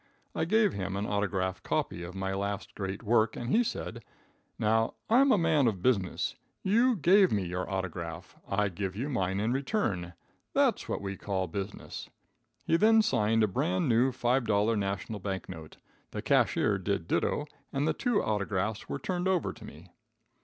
I gave him an autograph copy of my last great work, and he said: "Now, I'm a man of business. You gave me your autograph, I give you mine in return. That's what we call business." He then signed a brand new $5 national bank note, the cashier did ditto, and the two autographs were turned over to me.